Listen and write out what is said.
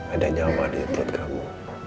ada nyawa di tempat kamu